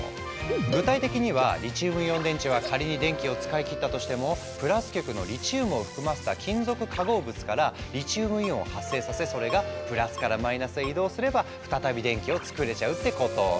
具体的にはリチウムイオン電池は仮に電気を使い切ったとしてもプラス極のリチウムを含ませた金属化合物からリチウムイオンを発生させそれがプラスからマイナスへ移動すれば再び電気を作れちゃうってこと。